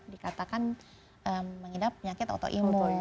dikatakan mengidap penyakit autoimun